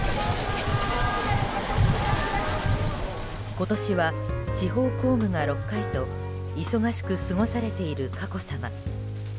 今年は地方公務が６回と忙しく過ごされている佳子さま。